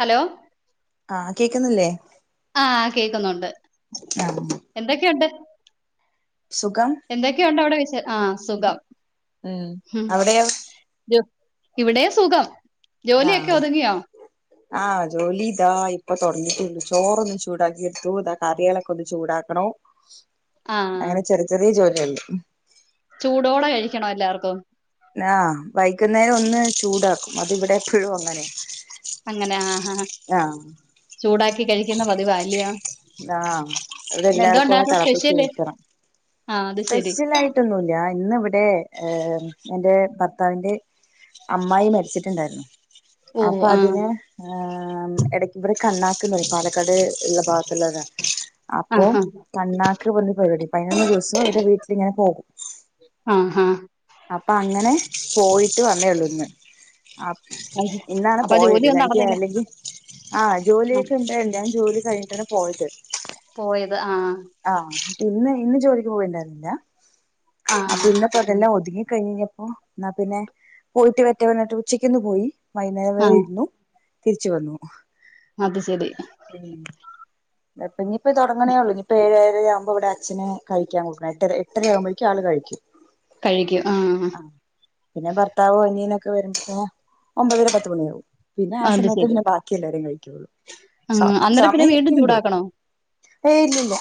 Hello ആഹ് കേക്കുന്നില്ലേ ആഹ് കേക്കുന്നുണ്ട് ആഹ് എന്തൊക്കെയുണ്ട് സുഖം എന്തൊക്കെയുണ്ട് അവിടെ വിഷേ ആഹ് സുഖം ഉം ഹും അവിടെയോ ടു ഇവിടെ സുഖം ജോലിയൊക്കെ ആഹ് ഒതുങ്ങിയോ ആഹ് ജോലി താ ഇപ്പൊ തൊടങ്ങിട്ടുള്ളു ചോറൊന്ന് ചൂടാക്കി എടുത്തു താ കറികളൊക്കെ ഒന്ന് ചൂടാക്കണം ആ അങ്ങനെ ചെറിയ ചെറിയ ജോലികള് ഉം ചൂടോടെ കഴിക്കണം എല്ലാവർക്കും ആഹ് വൈകുന്നേരം ഒന്ന് ചൂടാക്കും അത് ഇവിടെ എപ്പഴും അങ്ങനെയാ അങ്ങനാ ആഹാ ചൂടാക്കി കഴിക്കുന്ന പതിവാ അല്ലിയോ ആഹ് ഇവടെല്ലാർക്കും ഒ തെളപ്പിച്ച് ഊറ്റണം ആഹ് അത് ശരി ടൊന്നൂല്ല ഇന്ന് ഇവിടെ ഏഹ് എന്റെ ഭർത്താവിന്റെ അമ്മായി മരിച്ചിട്ടുണ്ടായിരുന്നു ഓ അപ്പൊ ആ അതിന് ഏഹ് എടക്ക് ഇവിടെ കണ്ണാ പാലക്കാട് ഉള്ള ഭാഗത്തുള്ളതാ ആ അപ്പൊ ആ കണ്ണാക്ക് പോന്ന പരിപാടി പതിനൊന്ന് ദിവസം ഇവര്ടെ വീട്ടിലിങ്ങനെ പോകും ആഹ് ഹാ അപ്പൊ അങ്ങനെ പോയിട്ട് വന്നേള്ളൂ ഇന്ന് ആപ് അത് ശരി. ഇന്നാണ് അപ്പൊ പോയത് ജോലിയൊന്നും എനിക്ക് നടന്നില്ല അല്ലെങ്കിൽ ആ ആ ജോലിയൊക്കെ ഉണ്ടായ്രുന്ന് ഞാൻ ജോലി കഴിഞ്ഞിട്ടാണ് പോയത് പോയത് ആഹ് ആഹ് ഇന്ന് ഇന്ന് ജോലിക്ക് പോയിണ്ടായിരുന്നില്ല ആ പിന്നെ പ്പതെല്ലാം ഒതുങ്ങി കഴിഞ്ഞ കയ്ഞ്ഞപ്പോ എന്ന പിന്നെ പോയിട്ട് വരട്ടെ പറഞ്ഞിട്ട് ഉച്ചക്കിന്ന് പോയി വൈന്നേരം ആ വരെ ഇരുന്നു തിരിച്ചു വന്നു അത് ശരി ഉം ഇപ്പെഞ്പ്പം തൊട്ങ്ങ്ണേള്ളൂ ഇഞിപ്പോ ഏഴ് ഏഴരാവുമ്പോവടെ അച്ഛന് കഴിക്കാൻ കൊടുക്കണം എട്ടര എട്ടരയാവുമ്പോയേക്ക് ആള് കഴിക്കും കഴിക്കും ആഹാ ആ പിന്നെ ഭർത്താവും, അനിയനൊക്കെ വരുമ്പോത്തിനും ഒമ്പതര പത്ത് മണിയാകും പിന്നെ ആ അത് സമയത്ത് ശരി പിന്നെ ബാക്കിയെല്ലാരും കഴിക്കൊള്ളൂ ആ സമ അന്നേരം പിന്നെ സമയി വീണ്ടും ചൂടാക്കണോ ഏയ് ഇല്ല്യല്ല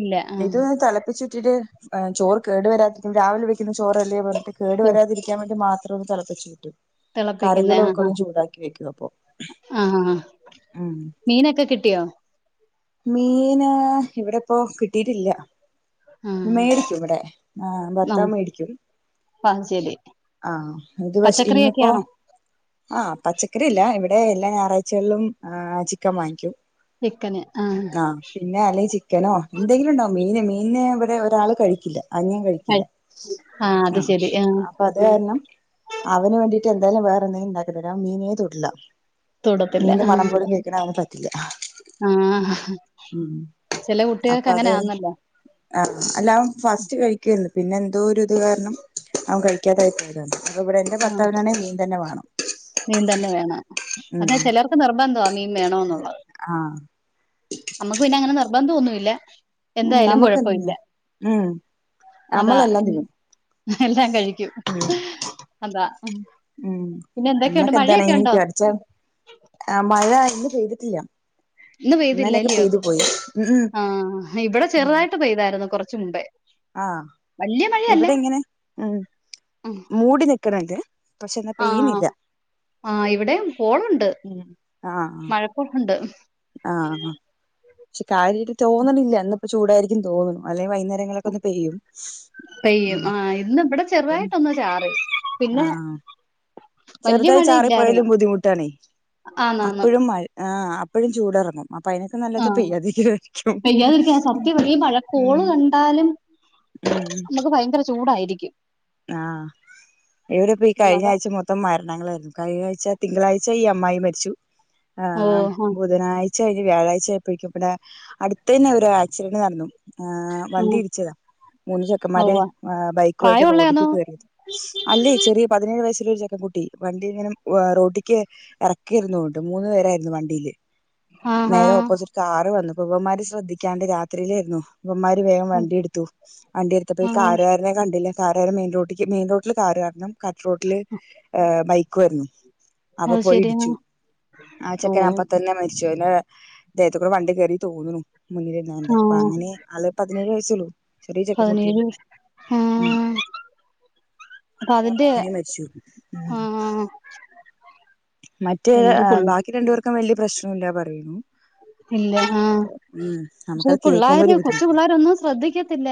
ഇല്ല ആ ഇതൊന്ന് തെളപ്പിച്ച് ട്ട് എഹ് ചോറ് കേടു വരാതിരിക്കും രാവിലെ വെക്കുന്ന ചോറല്ലേ പറഞ്ഞിട്ട് കേടു വരാതിരിക്കാ ൻ വേണ്ടി മാത്രൊന്ന് തെളപ്പിച്ചൂറ്റും തിളപ്പിക്കുന്ന ആ കറികളുവൊക്കൊന്ന് ചൂടാക്കി വെക്കും അപ്പൊ ആഹ് ഉം മീനൊക്കെ കിട്ടിയോ? മീന് ഇവിടെപ്പൊ കിട്ടിയിട്ടില്ല ആഹ് മേടിക്കും ഇവടെ ആ ഭർത്താവ് മേടിക്കും അത് ശരി ആ ഇത് പക്ഷെ ഇന്നിപ്പോ പച്ചക്കറിയൊക്കെയാണോ ആഹ് പച്ചക്കറിയെല്ല ഇവിടെ എല്ലാ ഞായറാഴ്ചകളിലും ആ ചിക്കൻ വാങ്ങിക്കും ചിക്കന് ആ ആ പിന്നെ അല്ലെങ്കി ചിക്കനോ എന്തെങ്കിലുണ്ടാകും മീന് മീന് വിടെ ഒരാള് കഴിക്കില്ല അനിയൻ കഴിക്കില്ല ആഹ് അപ്പത് കാരണം അവന് വേണ്ടിട്ട് എന്തായാലും വേറെന്തേലും ഇണ്ടാക്കി തരും അവൻ മീനേ തൊടില്ല തൊടത്തില്ല മീന്റെ മണം ആഹ് പോലും കേക്ക്ണവന് പറ്റില്ല ആഹ് ഉം ചെല അപ്പൊ അത് കുട്ടികൾക്കങ്ങനാന്നല്ലോ? ആഹ് അല്ല അവൻ ഫസ്റ്റ് കഴിക്കുവാരുന്നു പിന്നെന്തോരിത് കാരണം അവൻ കഴിക്കാതായി പോയ താ. ഇവിടെന്റെ ആഹ് ഭത്താവിനാണെ മീൻ തന്നെ വേണം മീൻ തന്നെ വേണം ഉം അതെ ചെലർക്ക് നിർബന്ധവാ മീൻ വേണോന്നുള്ളത് ആഹ് നമ്മക്ക് പിന്നെ അങ്ങനെ നിർബന്ധവൊന്നുല്ല ഉം എന്തായാലും കൊഴപ്പവില്ല നമുക്കെന്തിനാ ഉം അതാ നമ്മളെല്ലാം തിന്നും എല്ലാം കഴിക്കും അതാ ഉം പിന്നെ എന്തൊക്കെയുണ്ട് മഴയൊക്കെ നമ്മക്കെന്താണെങ്കിലും ഉണ്ടോ കടിച്ച ആ മഴ ഇന്ന് പെയ്തിട്ടില്ല ഇന്ന് പെയ്തില്ല ഇന്നലെയൊക്കെ അല്ല്യയോ? പെയ്തു പോയി ഉം ഉം ആ ഇവിടെ ഉം ചെറുതായിട്ട് പെയ്തായിരുന്നു കൊറച്ച് മുമ്പേ ആഹ് വല്യ മഴയല്ല ഇവിടെങ്ങനെ ഉം മൂടി നിക്ക്ണ് ണ്ട് ആഹ് ആ ഇവിടെയും കോളുണ്ട് ഉം മഴ കോളുണ്ട് ആഹാ പക്ഷെ കാര്യായിട്ട് തോന്നണില്ല ഇന്ന്പ്പം ചൂടായിരിക്കും തോന്നണു അല്ലെ വൈന്നേര എപ്പഴേങ്കിലൊക്കൊന്ന് പെയ്യും പെയ്യും ആ ഇന്ന് ഇവിടെ ഉം ചെറുതായിട്ടൊന്ന് ചാറി പിന്നെ ആഹ് വല്യ ചെറുതായി മഴയില്ലായിരുന്നു ചാറിപ്പോയാലും ബുദ്ധിമുട്ടാണേ ആന്നാന്ന് അപ്പഴും മഴ ആഹ് അപ്പഴും ചൂടെറങ്ങും അപ്പയിനെക്കാ ആ നല്ലത് പെയ്യാതിരിക്കാ വിയാരിക്കും പെയ്യാതിരിക്കാൻ സത്യം ഈ ഉം മഴക്കോള് കണ്ടാലും ഉം ഉം നമുക്ക് ഭയങ്കര ചൂടായിരിക്കും ആഹ് എവിടെപ്പയീ ഉം അതാ കഴിഞായ്ച്ച മൊ ത്തം മരണങ്ങളായിരുന്നു കഴിഞായ്ച്ച തിങ്കളാഴ്ച ഈ അമ്മായി മരിച്ചു ആ ഓ ആ ബുധനാഴ്ച കഴിഞ്ഞു വ്യാഴാഴ്ച്ചയായപ്പെയേക്കും പിന്നെ അടു തന്നെ ഒരു ആക്സിഡന്റ് നടന്നു ഏഹ് വണ്ടിയിടിച്ചതാ മൂന്ന് ആ ചെക്കമ്മാര് ഉവ്വ ബൈക്കുവായിട്ട് റോഡി പ്രായമുള്ളയാന്നോ അല്ലെ ചെറിയ പതിനേഴ് വയസ്സുള്ള ഒരു ചെക്കൻ കുട്ടി വണ്ടിയിങ്ങനെ റോട്ടിക്ക് എറക്കേയിരുന്നുന്ന്ണ്ട് മൂന്ന് പേരായിരുന്നു വണ്ടിയില് ആ ആ നേരെ ഓപ്പോസിറ്റ് കാറ് വന്നു അപ്പവന്മാര് ശ്രദ്ധിക്കാണ്ട് രാത്രിയിലായിരുന്നു ഇവമാര് വേഗം ഓ വണ്ടിയെടുത്തു വണ്ടിയെടുത്തപ്പം ആ ഈ കാറുകാരനെ കണ്ടില്ല നേരെ മെയിൻ റോട്ടിക്ക് മെയിൻ റോട്ടില് കാറ് കാരനും, കട്ട് റോട്ടില് ബൈക്കുവായിരുന്നു അപ്പൊ അത് ശരി ആ പോയിടിച്ചു ആ ഓ ചെക്കനപ്പത്ത അപ്പ തന്നെ മരിച്ചു അവൻ്റെ ദേഹത്തി കൂടെ വണ്ടി കേറിന്ന് തോന്നുന്നു ആ മുന്നിലിരുന്നവന്റെ അപ്പൊ അങ്ങനെ ആള് പതിനേഴ് വയസ്സുള്ളൂ ചെറിയ ചെക്കൻകുട്ടിയാണ് പതിനേഴ് ആ ഉം അപ്പൊ ആള് അവന്റെ അങ്ങനെ മരിച്ചു ഉം ആഹ് ആഹ് മറ്റേ ബാക്കി രണ്ടു പേർക്കും വല്ല്യ പ്രശ്നം ഇല്ലാ പറയുന്നു ഇല്ല ആഹ് ഉം പക്ഷേ നമുക്കത് കേൾക്കുമ്പോ പിള്ളേര് ഒരു കൊച്ചു ബുദ്ധിമുട്ടാ പിള്ളേരന്നും ശ്രദ്ധിക്കത്തില്ല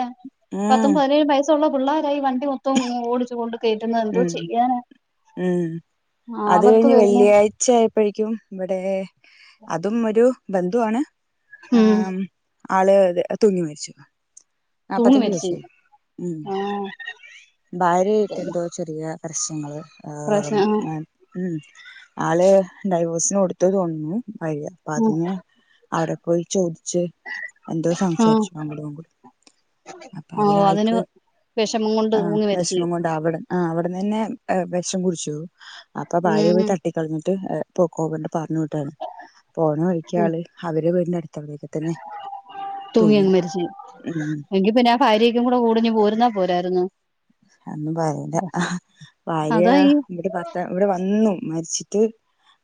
പത്തും ഉം പതിനേഴും വയസള്ള പിള്ളേരായി വണ്ടി മൊത്തം ഓടിച്ചു കൊണ്ട് കേട്ടുന്ന എന്തോ ഉം ചെയ്യാന ആത്ത് വന്ന് ഉച്ചആയപ്പോഴേക്കും ഇവിടെ അതും ഒരു ബന്ധുവാണ് ഉം ആഹ് ആള് തൂങ്ങി മരിച്ചു തൂങ്ങി നാപ്പത്തഞ്ച മരിച്ച് വയസ ഉം ആഹ് ഭാര്യായിട്ട് എന്തോ ചെറിയ പ്രശ്നങ്ങൾ പ്രശ്ന ആഹ് ഏഹ്മ്മ് ഉം ആള് ഡൈവേഴ്സിന് കൊടുത്തു തോന്നുന്നു ഭാര്യ അപ്പ ഉം അതിന് അവിടെ പോയി ചോദിച്ച് എന്തോ ആഹ് സംസാരിച്ചു അടികൂടി അപ്പൊ ഓഹ് അതിന് അതിലാൾക്ക് വിഷമം കൊണ്ട് ആ തൂങ്ങി മരിച്ച് വിഷമം കൊണ്ട ആാവട ആഹ് അവിടെന്ന്ന്നെ വിഷം കുടിച്ച അപ്പൊ ഭാര്യ ഉം പോയി തട്ടിക്കളഞ്ഞിട്ട് പോക്ക പറഞ്ഞട്ടാണ് പോണ ഒഴിക്കള് അവര് വീടി തൂങ്ങിങ് മരിച്ച ഉം എങ്കി പിന്നെ ഭാര്യക്ക കൂടെ കടിഞ്ഞഞ് പോരുന്നാ പോരായിരുന്നോ അന്നും പറയില്ല ഭാര്യ അതാ ഈ ഇവിടെ പത്ത ഇവിടെ വന്നു മരിച്ചിട്ട്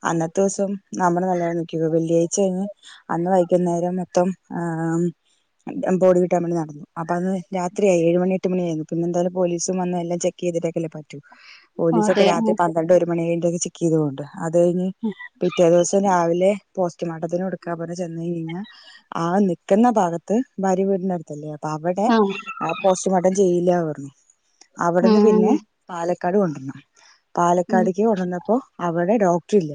അന്നത്തെ ദിവസം നമ്മള് നല്ലോ നക്ക വെള്ളിയാഴ്ച കഴിഞ്ഞ് അന്ന് വൈകുന്നേരം മൊത്തം ആഹ്മ്മ് ബോടി കിട്ടാൻ വേണ്ടി നടന്നു അപ്പൊ അത്യായി ഏഴുമണി എട്ട് മണിയായിരുന്നു പിന്നെന്തായാലും പോലീസും വന്ന എല്ലാം ചെ ചെയ്തിട്ടക്കല്ലേ പറ്റു പോലീസൊക്കെ അതെ രാത്രി പന്ത്രണ്ട് ഒരു മണിഴിൊക്ക ചെക്ക് ചെയ്ത കൊണ്ട് അത് കഴിഞ്ഞ് പിറ്റേ ദിവസം രാവിലെ പോസ്റ്റ്മോർട്ടത്തിന് കൊടുക്കാ പോലെ ചെന്ന കഴിഞ്ഞാ ആഹ് നിക്കുന്ന ഭാഗത്ത് ഭാര്യ വീട അല്ലേ അപ്പൊ അവിടെ ആഹ് പോസ്റ്റ്മോർട്ടം ചെയ്യില്ല പറഞ്ഞു അവിടുന്ന് ആഹ് പിന്നെ പാലക്കാട് കൊണ്ടുവന്നണം ഉം പാലക്കാട്ക്ക് കൊണ്ടന്നപ്പോ അവിടെ ഡോക്ടർ ഇല്ല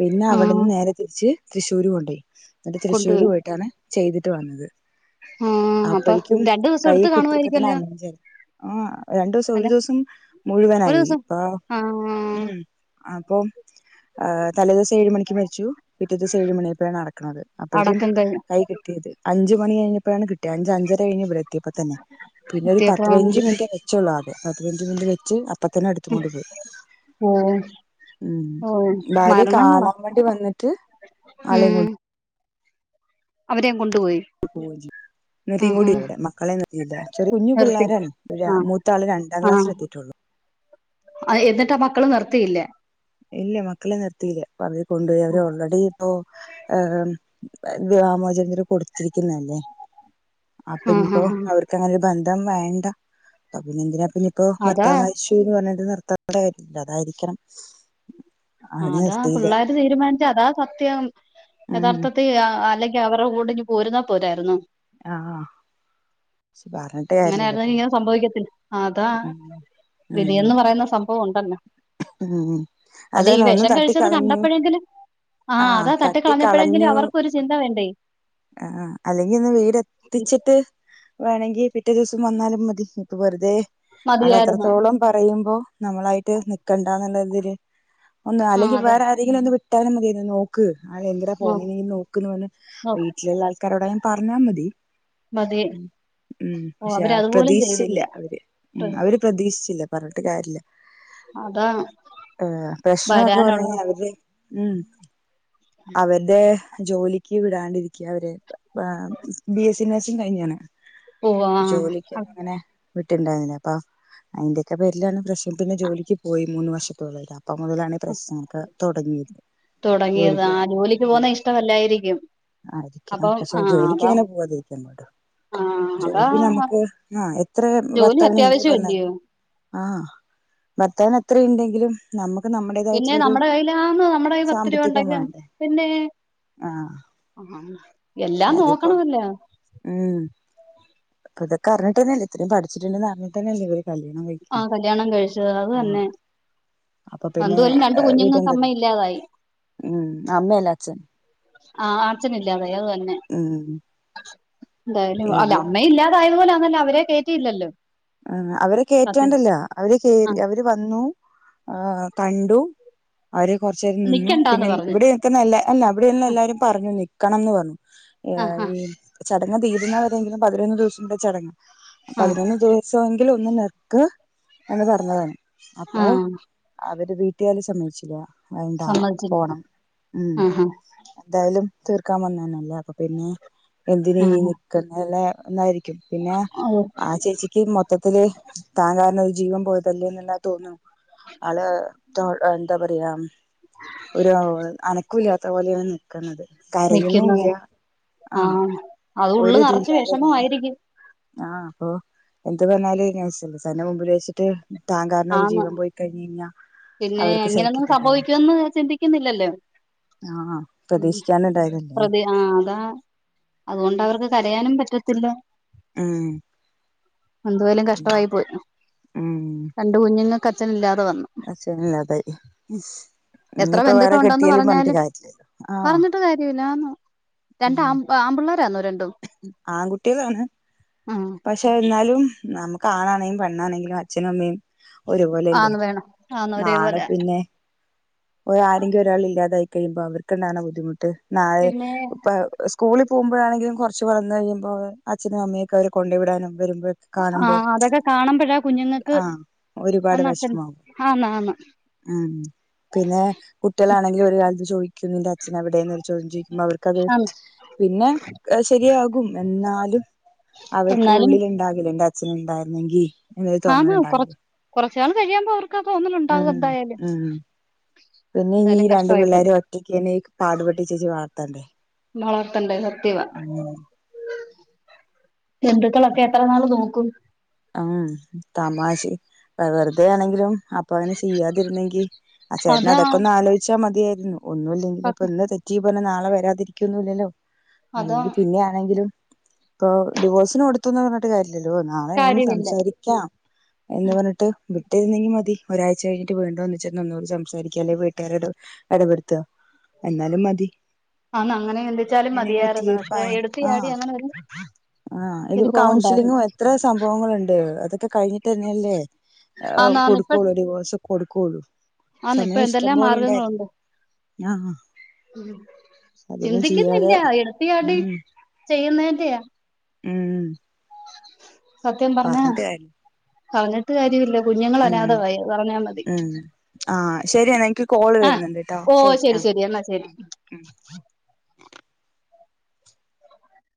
പിന്നെ ആഹ് അവിടെന്ന് നേരെ തിരിച്ച് തൃശ്ശൂര് കൊണ്ടോയി എന്നിട്ട് തൃശ്ശൂര് കൊണ്ടുപോയി പോയിട്ടാണ് ചെയ്തിട്ട് വന്നത് ആഹ് അപ്പൊ അപ്പോഴേക്കും രണ്ടു ദിവസം കൈ എടുത്ത് കിട്ടിയപ്പ തന്നെ കാണുമായിരിക്കല്ലോ അങ്ങനെ ആഹ് രണ്ടുസം അല്ല ഒരു ദിവസം ഒരു മുഴുവനായി ദിവസം ഇപ്പ ആഹ് ഉം അപ്പൊ തലേ ദിവസം ഏഴ് മണിക്ക് മരിച്ചു പിറ്റ ഡിസം ഏഴ് മണിയപ്പോഴാണ് നടക്കുന്നത് അഴേും അടക്കം കഴി കൈ കി അഞ്ച മണി കഴിഞ്ഞപ്പോഴാണ് കിട്ടിയത് അഞ്ച് അഞ്ചര കഴിഞ്ഞപ്പോഴ എത്തിയപ്പോ തന്നെന്നെ പിന്നൊരു എത്തിയപ്പോ വഞ്ച മിനിറ്റ് വെച്ചള്ളൂ അത് അ വഞ്ച മിനിറ്റ് വെച്ച് അപ്പൊ തന്നെ എടുത്ത കൊണ്ട് പോയി ഓഹ് ഉം ഓഹ് ഭാര്യ മരണങ്ങളാ കാണാൻ വേണ്ടി വന്നിട്ട് ആളെയും ഉം കൂട്ട അവരേം കൊണ്ടുപോയി ഫോജ നിൃീയും ആഹ് കൂടി ആഹ് അവിടെ മക്കളെ നിത്തിയില്ല ചെറ കുഞ്ഞു നിർത്തി പിള്ളാരാണ്േ ആഹ് മൂത്ത ആള് രണ്ടാം ക്ലാസ്സൽ എത്തിയിട്ടുള്ളൂ [unintelligible] അഹ് എന്നിട്ട് ആ മക്കള് നിർത്തിയില്ലേ ഇല്ല മക്കളെ നിർത്തിയില്ലേ പറഞ്ഞ കൊണ്ടു പോയി അവര് ഓൾറെഡി ഇ വ്യമോചന്ദര് കൊടുത്തിരിക്കുന്നല്ലേ അപ്പൊ ആഹ് ഇനിയിപ്പോ ആഹ് ആഹ് അവർക്ക് അങ്ങനെ ഒരു ബന്ധം വേണ്ട അപ്പൊ പിന്നെ എന്തിനാപ്പ ഇനിയിപ്പോ അതാ ഭർത്താവ് മരിച്ച പറഞ്ഞട്ട് നിർത്താട കാര്ില്ല അതായിരിക്കണം അവര് ആഹ് അതാ നിർത്തിയില്ല പിള്ളേര് തീരുമാനിച്ച അതാ സത്യം ഉം യഥാർത്ഥത്തിൽ അല്ലെങ്ക അവരുടെ കൂടെ പോരുന്നാ പോരായിരുന്നു ആഹ് പറഞ്ഞിട്ട് കാര്യല്ലല്ലോ അങ്ങനൊയിര്ന്ന ഇപ്പൊ ഇങ്ങെനെ സംഭവിക്കത്തില്ല അതാ ഉം വിധിയന്ന് പറയുന്ന സംഭവം ഉണ്ടല്ലോ ഉം അല്ല ഈ അതാണ് ഒന്ന് വെഷം കഴിച്ചത് തട്ടിക്കളഞ്ഞു കണ്ടപ്പോഴെങ്കിലു ആ ആഹ് അതാ തട്ടി കളഞ്ഞപ്പോഴെങ്കിലും തട്ടിക്കളഞ്ഞു അവർക്കൊരു ചിന്ത വേണ്ടേ അ ആ അല്ലെങ്കി ഒന്ന് വെ എത്തിച്ചിട്ട് വേണെങ്കി പിറ്റേ ദിവസം വന്നാലും മതി ഇപ്പൊ വെറുതെ മതിയായിരുന്നു ആളത്രത്തോളം പറയുമ്പോ നമ്മളായിട്ട് നിക്കണ്ടാന്ന്ള്ളൊരിതില് ഒന്ന ആഹ് അല്ലങ്കി അതെ വേറെ ആരെങ്കിലൊന്ന് വിട്ടാലും മതിയായിരുന്നു ക്ക് അഹ് എന്തിനാ നോ പോണേ നീ നോക്ക്ന്ന് പർഞ്ഞ നോ വീട്ടില്ള്ള ആൾക്കാരൊടായാലും പർഞ്ഞാമതി മതി ഉം ഓഹ് പക്ഷെ ആ അവരതുപോലും ചെയ്തില്ല പ്രതീക്ഷിച്ചില്ല അവര് ഉം അവര് പ്രതീക്ഷിച്ചില്ല പർഞ്ട്ട് കാര്യല്ല അതാ ആഹ് പ്രശ്നൊക്കെ പർഞ് വരാനുള്ള കഴിഞ്ഞ അവര് ഉം അവര്ടെ ജോലിക്ക് വിടാണ്ടിരിക്ക അവരെ ബാം ബി എ സ്സി നേഴ്സിംഗ് കഴിഞ്ഞാണ് ഓഹ് ജോലി ആഹ് ക്കങ്ങനെ വിട്ട്ണ്ടായിര്ന്നില്ല അപ്പൊ അയിന്റൊക്കെ പേര്ലാണ് പ്രശ്നം പിന്നെ ജോലിക്ക് പോയി മൂന്ന് വർഷത്തൊളായി അപ്പം മുതലാണ് പ്രശ്നങ്ങളോക്കെ തൊടങ്ങീയത് തുടങ്ങിയത് ജോലിക്ക് ആഹ് ജോലിക്ക് ഉം പോകുന്ന ഇഷ്ടമല്ലായിരിക്കും ആയിരിക്കണം അപ്പം പക്ഷെ ആ ആഹ് ജോലി അതാ ക്കിങ്ങനെ പോവാതിരിക്കാൻ പറ്റൊ ആഹ് ജോലി അതാ നമ്മക്ക് ആ എത്ര ജോലി ഭർത്താവിന്ണ്ട് അത്യാവശ്യം ഇല്ലയോ പർഞ്ഞാലും ആഹ് ഭർത്താവിനെത്രയിണ്ടെങ്കിലും നമ്മക്ക് പിന്നെ നമ്മടേതായിട്ടുള്ളൊരു നമ്മുടെ കയ്യിലാന്ന് നമ്മുടെ കയ്യിൽ പത്ത് രൂപ സാമ്പത്തികം ഉണ്ടെങ്കിൽ വാണ്ടേ ആഹ് ആ ഹ ഷെ അത്പ്പൊ ഉം പ്പതൊക്കർഞ്ഞിട്ടെന്നല്ലേ ഇത്രേം പഠിച്ചിട്ട്ണ്ടെന്നറിഞ്ഞിട്ടന്നല്ലേ ഓര് കല്യ ആ കല്യാണം കഴിച്ചത് അത് തന്നെ അപ്പൊ പിന്നെ അന്തുവൽ രണ്ട് കുഞ്ങ്ങക്ക് അമ്മ വീടെന്റെത് ഇല്ലാതായി. ഉം അമ്മയല്ല അച്ഛൻ ആ അച്ഛനില്ലാതായി അത് തന്നെ ഉം ന്തായാലും അല്ല ഇനി അമ്മ ഇല്ലാതാ യത്പോലാന്നല്ലോ അവരെ കെറ്റിയില്ലല്ലോ അവരെ കെറ്റാണ്ടല്ല അവര് കേ ആ അവര് വന്നു ആ കണ്ടു അവര് കൊർചേരം നിന്നു നിക്കണ്ടാന്ന് പിന്നെ പറഞ്ഞ് ഇവിടെ നിക്കുന്ന എല്ലാ അല്ല അവിടെള്ളല്ലാരും പറഞ്ഞു നിക്കണംന്ന് പർഞ്ഞു. ആ ആ യാരീ ചടങ്ങ് തീരുന്നവരെങ്കിലും പതിനൊന്ന്ദിവസംത്തെ ചടങ്ങ് ആ പതിനൊന്ന് ദി സെങ്കിലൊന്ന് നിക്ക് എന്ന് പർഞ്ഞതാണ് അപ്പോ ആ അവര് വീ ട്ട്ക്കാര് സമ്മയ്ച്ചില വേണ്ടാ സമ്മതിച്ചില്ല പോണം ഉം ആ എന്തായാലും തീർക്കാൻ വന്നനല്ലേ അപ്പൊ പിന്നെ എന്തിന് ആ ഈ ആ നിക്കാ [unintelligible] രി പിന്നെ ഓ ആ ചേച്ചിക്ക് മൊത്തത്തില് താൻ കാരണം ഒര് ജീവൻ പോയതല്ലേ ന്ന്ള്ള തോന്ന ആള് തൊ എന്താ പറയാ ഒരു അനക്കുല്ലാത്തപോലെയാ നിക്ക്‌ന്നത് കരഴുന്നുല്ല ആഹ് അത് ഉള്ള് നെറച്ച് വെഷമമായിരിക്കും. ആഹ് അപ്പൊ എന്ത് പർഞാല് [unintelligible] തന്റെ മുമ്പില് വെച്ചിട്ട് താൻ കാരണം ഒരു ആന്ന് ജീവം പോയി കഴിഞ്ഞയ്ഞ്ഞാ പിന്നെ അങ്ങനെയൊന്നും സംഭവിക്കുവെന്ന് ചിന്തിക്കുന്നില്ലല്ലോ ആഹ് പ്രതീക്ഷിക്കാണ്ടണ്ടായതല്ലേ പ്രതി ആ അതാ അതുകൊണ്ടവർക്ക് കരയാനും പറ്റത്തില്ല ഉം എന്തുവായാലും കഷ്ടമായി പോയി ഉം രണ്ട് കുഞ്ഞുങ്ങക്ക് അച്ഛനില്ലാതെ വന്നു. അച്ചനില്ലാതായി. എത്ര ബന്ധുക്കളുണ്ടോന്ന് പറഞാലും കാര്യല്ലല്ലോ ആഹ് പറഞ്ഞിട്ട് കാര്യല്ല. രണ്ട ആമ്പ് ആമ്പിള്ളാരാന്നോ രണ്ടും ആങ്കുട്ട്യാളാണ് ആഹ് പക്ഷേ ഇന്നാലും നമുക്ക് ആണാണെങ്കിലും പെണ്ണാണെങ്കിലും അച്ഛനും അമ്മയും ഒരുപോലെല്ലേ ആന്ന് വേണം ആന്ന് നാളെ ഒരേപോലെ പിന്നെ ഓല ആരെങ്കിലും ഒരാൾ ഇല്ലാതായിക്കഴിയുമ്പോ അവർക്ക് ണ്ടാവ്ണ ബുദ്ധിമുട്ട് നാളെ പിന്നെ ഇപ്പ സ്കൂളിൽ പോകുമ്പഴാണെങ്കിലും കുറച്ച് വളർന്ന് കഴിയുമ്പോ അച്ഛനും അമ്മയൊക്കെ അവര് കൊണ്ടോയി വിടാനും വരുമ്പോ കാണുമ്പോ ആഹ് അതൊക്കെ കാണുമ്പഴാ കുഞ്ഞുങ്ങൾക്ക് ആഹ് ഒരുപാട് അച്ഛൻ വിഷമാവും ആണ് ആണ് ഉം പിന്നെ കുട്ടികളാണെങ്കില്ഒരു കാലത്ത് ചോദിക്കുന്നു നിന്റെ അച്ഛൻ എവിടെയന്ന് ചോദ്യം ചോദിക്കുമ്പോ അവർക്ക് ത് ആന്ന് പിന്നെ ശരിയാകും എന്നാലും അവർക്ക് എന്നാലും ഉള്ളിൽ ഉണ്ടാകില്ലേ എന്റെ അച്ഛന് ഉണ്ടായിരുന്നെങ്കി ആണ് കൊറ കൊറച്ച് നാൾ കഴിയുമ്പോ അവർക്ക് തോന്നലുണ്ടാവും ഉം എന്തായാലും ഉം പിന്നെ ഇനി എന്തായാലും രണ്ടു കഷ്ടമായി പോയി പിള്ളോരും ഒറ്റയ്ക്ക ന്നെ പാടു പെട്ടി ചേച്ചി വളർത്തണ്ടേ വളർത്തണ്ടെ സത്യവാ ഉം ബന്ധുക്കളൊക്കെ എത്ര നാള് നോക്കും ആഹ് തമാശി വെറുതെ ആണെങ്കിലും അപ്പൊ അങ്ങനെ ചെയ്യാതിരുന്നെങ്കിൽ ആ ചേട്ടന് അതാ അതൊക്കെ ഒന്ന് ആലോചിച്ചാൽ മതിയായിരുന്നു ഒന്നും ഇല്ലെങ്കില് ഇപ്പൊ സത്യം ഇന്ന് തെ റ്റി പറഞ്ഞ് നാളെ വരാതിരിക്കൊന്നുംല്ലല്ലോ അതാ അല്ലെങ്കിൽ പിന്നെ ആണെങ്കിലും ഇപ്പൊ ഡിവോഴ്സിിന് കൊടുത്തുന്ന് പറഞ്ഞിട്ട് കാര്യല്ലല്ലോ നാളെ ണെങ്കി കാര്യമില്ല സംസാരിക്കാം എന്ന് പറഞ്ഞിട്ട് വിട്ടേരുന്നെങ്കി മതി ഒരാഴ്ച കഴിഞ്ഞിട്ട് വീണ്ടോന്ന് ചെന്ന് ഒന്നുകുടി സംസാരിക്കുക അല്ലെങ്കി വീട്ടുകാരോട് എടപെടുത്ത എന്നാലും മതി അന്ന് അങ്ങനെ ചിന്തിച്ചാലും അങ്ങനെങ്ങ് മതിയാരുന്നു പക്ഷെ ഒത്തുതീർപ്പായ എടുത്ത് ചാടി ആഹ് അങ്ങനെ യൊരു ആഹ് ഇതി കൗൺസിലിങ്ങും എത്ര സംഭവങ്ങളുണ്ട് അതൊ ക്കെ കഴിഞ്ഞിട്ട് തന്നെയല്ലേ ആന്നാന്ന് കൊടുക്കുള്ളൂ ഡിവേഴ്‌സ് കൊടുക്കുള്ളൂ ആണ് ഇപ്പൊ സമയം ഇഷ്ടം എന്തെല്ലാം പോലെ ഉണ്ടായിരുന്നു മാർഗ്ഗങ്ങളുണ്ട് [unintelligible] അതൊന്നും ഉംചിന്തിക്കുന്നില്ല ചെയ്യാതെ എടുത്തി ചാടി ഉം ചെയ്യുന്നന്റെ ഉം സത്യം പറഞ്ഞ പറഞ്ഞിട്ട് കാര്യല്ല പറഞ്ഞിട്ട് കാര്യമില്ല കുഞ്ഞുങ്ങൾ ഉം അനാഥമായി പറഞ്ഞാൽ മതി ഉം ആഹ് ശരിയാ എനിക്ക് കോള് ആ വരുന്നുണ്ട് ട്ടോ ഓ ശരി ആ എന്നാ ശരി ആ ഉം